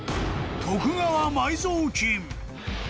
［徳川埋蔵金］